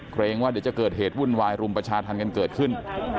เกรงว่าเดี๋ยวจะเกิดเหตุวุ่นวายรุมประชาธรรมกันเกิดขึ้น